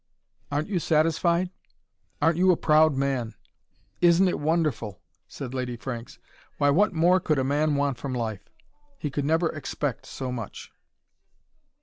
"Aren't you satisfied? Aren't you a proud man! Isn't it wonderful?" said Lady Franks. "Why, what more could a man want from life? He could never EXPECT so much."